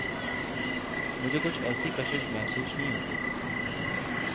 مجھے کچھ ایسی کشش محسوس نہیں ہوتی۔